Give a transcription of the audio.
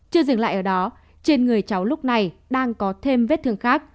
chưa dừng lại ở đó trên người cháu lúc này đang có thêm vết thương khác